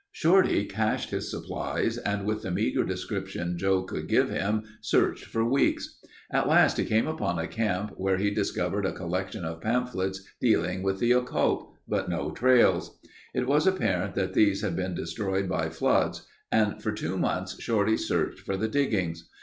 Shorty cached his supplies and with the meager description Joe could give him, searched for weeks. At last he came upon a camp where he discovered a collection of pamphlets dealing with the occult, but no trails. It was apparent that these had been destroyed by floods and for two months Shorty searched for the diggings.